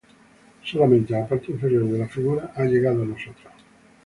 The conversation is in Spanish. Solamente la parte inferior de la figura ha llegado a nosotros.